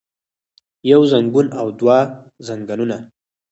يو زنګون او دوه زنګونان